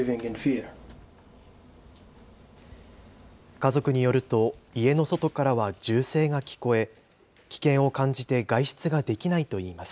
家族によると、家の外からは銃声が聞こえ、危険を感じて外出ができないといいます。